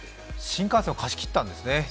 新幹線を貸し切ったんですね。